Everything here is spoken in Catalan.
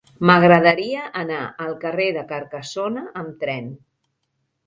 M'agradaria anar al carrer de Carcassona amb tren.